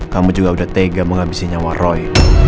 kamu juga udah tega menghabisi nyawa roy